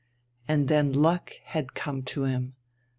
And then luck had come to him.